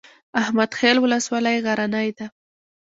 احمد خیل ولسوالۍ غرنۍ ده؟